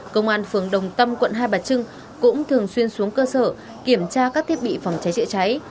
công an phường đồng tâm quận hai bà trưng cũng thường xuyên xuống cơ sở kiểm tra các thiết bị phòng cháy chữa cháy